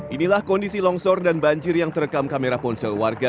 inilah kondisi longsor dan banjir yang terekam kamera ponsel warga